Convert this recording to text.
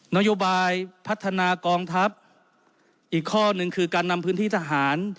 นโยบายพัฒนากองทัพอีกข้อหนึ่งคือการนำพื้นที่ทหาร